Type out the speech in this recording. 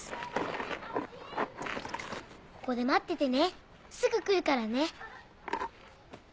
ここで待っててねすぐ来るからね。